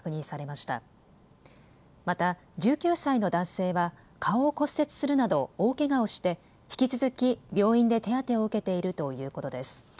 また１９歳の男性は顔を骨折するなど大けがをして引き続き病院で手当てを受けているということです。